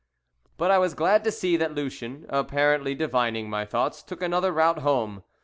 But I was glad to see that Lucien, apparently divining my thoughts, took another route home.